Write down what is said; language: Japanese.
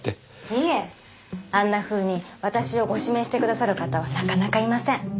いえあんなふうに私をご指名してくださる方はなかなかいません。